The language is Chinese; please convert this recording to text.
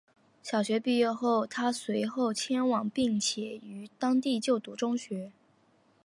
小学毕业后她随后迁往并且于当地就读中学。